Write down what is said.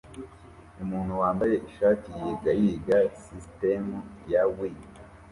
Umuntu wambaye ishati yiga yiga sisitemu ya Wii